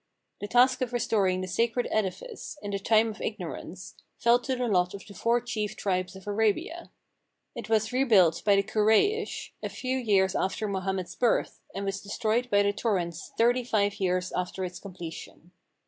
The task of restoring the sacred edifice, in the time of Ignorance, fell to the lot of the four chief tribes of Arabia. It was rebuilt by the Kuraish, a few years after Mohammed's birth, and was destroyed by the torrents thirty five years after its completion.